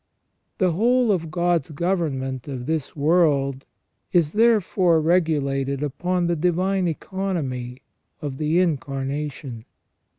The whole of God's government of this world is, therefore, regu lated upon the Divine Economy of the Incarnation.